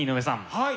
はい。